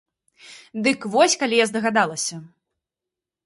Дык вось калі я здагадалася!